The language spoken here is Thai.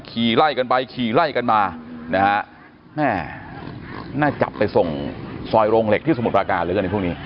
ขี่ไล่กันไปขี่ไล่กันมานะฮะแม่น่าจับไปส่งซอยโรงเหล็กที่สมุทรปราการแล้วกันในพวกนี้